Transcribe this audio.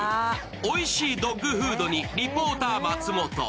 おいしいドッグフードにリポーター・松本。